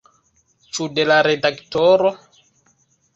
Ĉu de la redaktoro?